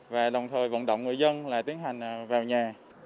và đồng thời vận động người dân là tiến hành vào nhà